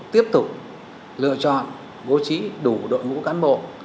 tiếp tục lựa chọn bố trí đủ đội ngũ cán bộ